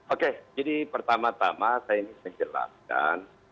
oke jadi pertama tama saya ingin menjelaskan